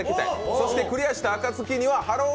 そして、クリアした暁にはＨＥＬＬＯ！